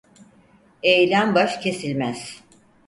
Eğilen baş kesilmez.